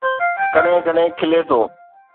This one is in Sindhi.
ڪڏهن ڪڏهن کلي ٿو